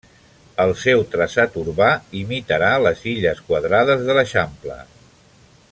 El seu traçat urbà imitarà les illes quadrades de l'Eixample.